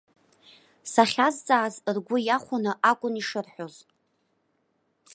Сахьазҵааз ргәы иахәаны акәын ишырҳәоз.